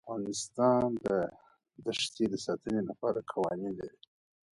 افغانستان د دښتې د ساتنې لپاره قوانین لري.